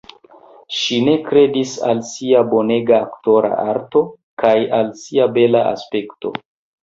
Ŝi ne kredis al sia bonega aktora arto kaj al sia bela aspekto.